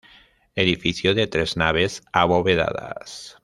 Edificio de tres naves abovedadas.